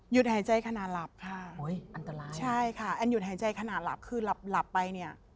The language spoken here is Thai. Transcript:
หยุดหายใจขนาดหลับค่ะใช่ค่ะอันหยุดหายใจขนาดหลับคือหลับไปเนี่ย